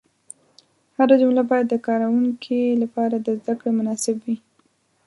هره جمله باید د کاروونکي لپاره د زده کړې مناسب وي.